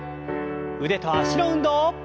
腕と脚の運動。